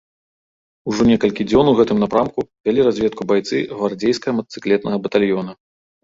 Ужо некалькі дзён у гэтым напрамку вялі разведку байцы гвардзейскага матацыклетнага батальёна.